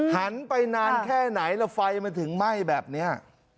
หันไปนานแค่ไหนแล้วไฟมันถึงไหม้แบบนี้